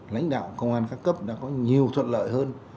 lãnh đạo công an các cấp đã có nhiều thuận lợi hơn